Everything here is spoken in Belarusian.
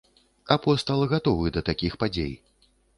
Апостал гатовы да такіх падзей.